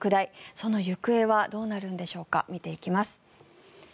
その行方はどうなるんでしょうか見ていきます。